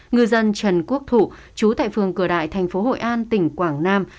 người dân trần quốc thụ chú tại phường cửa đại tp hội an tỉnh quảng nam